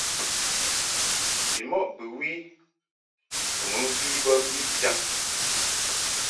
Bimɔʼ bɨwi kɨ mɨ mvi bə mbi jaŋ.